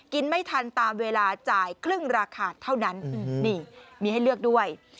ไม่ทันตามเวลาจ่ายครึ่งราคาเท่านั้นนี่มีให้เลือกด้วย